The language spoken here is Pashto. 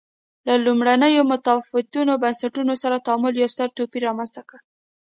له لومړنیو متفاوتو بنسټونو سره تعامل یو ستر توپیر رامنځته کړ.